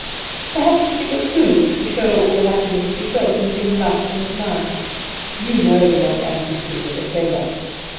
Perhaps she was foolish to show all the happiness she felt in being liked and admired. You know the long absences of a sailor.